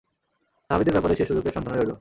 সাহাবীদের ব্যাপারে সে সুযোগের সন্ধানে রইল।